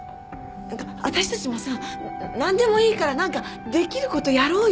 私たちもさ何でもいいから何かできることやろうよ。